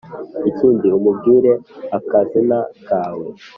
Ikindi umbwire akazina kawe